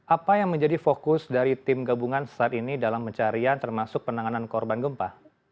apa yang menjadi fokus dari tim gabungan saat ini dalam pencarian termasuk penanganan korban gempa